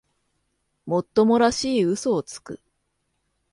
もっともらしい嘘をつく